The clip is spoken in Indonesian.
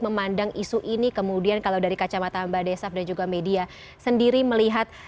memandang isu ini kemudian kalau dari kacamata mbak desaf dan juga media sendiri melihat